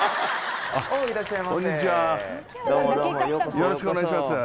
よろしくお願いします。